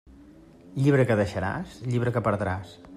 Llibre que deixaràs, llibre que perdràs.